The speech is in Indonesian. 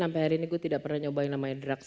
sampai hari ini gue tidak pernah nyobain namanya drugs